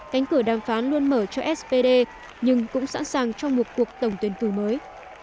cánh cửa đàm phán luôn mở cho spd nhưng cũng sẵn sàng cho một cuộc tổng tuyển cử mới